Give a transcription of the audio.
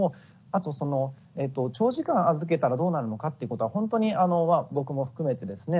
あとその長時間預けたらどうなるのか？っていうことはほんとに僕も含めてですね